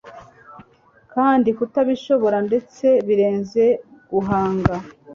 Kandi kutabishobora ndetse birenze guhanga